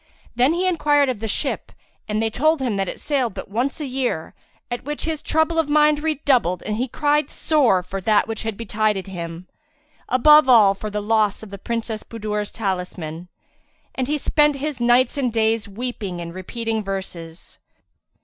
Then he enquired of the ship and they told him that it sailed but once a year, at which his trouble of mind redoubled and he cried sore for that which had betided him, above all for the loss of the Princess Budur's talisman, and spent his nights and days weeping and repealing verses.